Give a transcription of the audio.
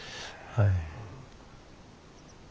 はい。